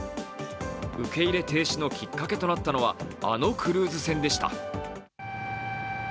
受け入れ停止のきっかけとなったのは、あのクルーズ船でした。